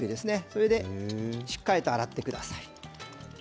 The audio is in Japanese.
それでしっかりと洗ってください。